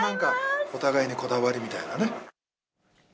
お互いにこだわりみたいなね。